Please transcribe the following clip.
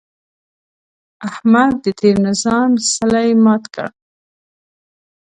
احمد د تېر نظام څلی مات کړ.